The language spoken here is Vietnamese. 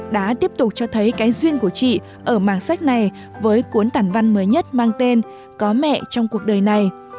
đã tiếp tục cho thấy cái duyên của chị ở màng sách này với cuốn tản văn mới nhất mang tên có mẹ trong cuộc đời này